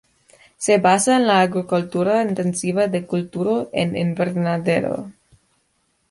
Se basa en la agricultura intensiva de cultivo en invernadero.